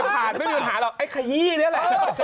ผ่านไม่มีปัญหาหรอกไอ้ขยี้นี่แหละ